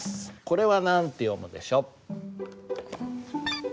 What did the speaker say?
これは何て読むでしょう？